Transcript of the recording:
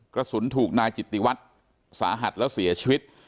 กระสุนถูกนายจิตติวัตรสาหัสแล้วเสียชีวิต